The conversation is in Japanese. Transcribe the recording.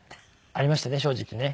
ありましたね正直ね。